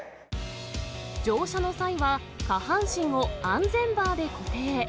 乗車の際は、下半身を安全バーで固定。